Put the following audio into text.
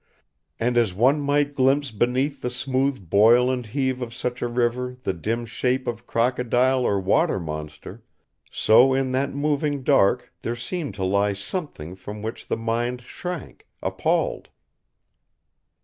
And as one might glimpse beneath the smooth boil and heave of such a river the dim shape of crocodile or water monster, so in that moving dark there seemed to lie Something from which the mind shrank, appalled.